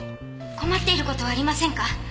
困っている事はありませんか？